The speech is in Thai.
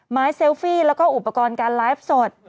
เซลฟี่แล้วก็อุปกรณ์การไลฟ์สด